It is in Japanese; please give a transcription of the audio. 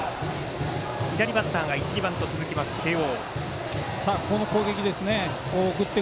左バッターが１、２番と続く慶応。